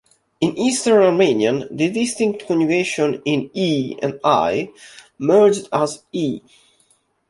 In Eastern Armenian, the distinct conjugations in "e" and "i" merged as "e".